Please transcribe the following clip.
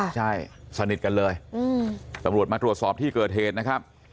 ใช่สนิทกันเลยตำรวจมาตรวจสอบที่เกิดเหตุนะครับ